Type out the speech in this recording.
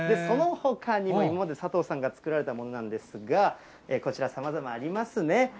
そのほかにも、今まで佐藤さんが作られたものなんですが、こちら、さまざまありますね。